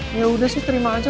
yaudah sih terima aja